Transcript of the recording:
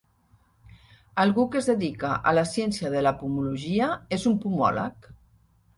Algú que es dedica a la ciència de la pomologia és un pomòleg